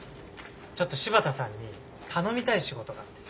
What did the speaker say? ちょっと柴田さんに頼みたい仕事があってさ。